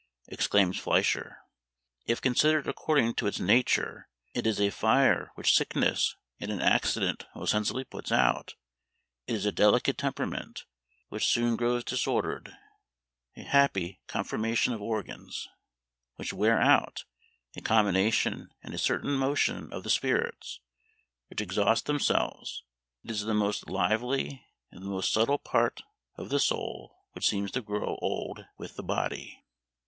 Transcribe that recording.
exclaims Flechier. "If considered according to its nature it is a fire which sickness and an accident most sensibly puts out; it is a delicate temperament, which soon grows disordered; a happy conformation of organs, which wear out; a combination and a certain motion of the spirits, which exhaust themselves; it is the most lively and the most subtile part of the soul, which seems to grow old with the BODY."